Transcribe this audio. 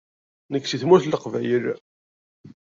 Nekk seg Tmurt n Leqbayel.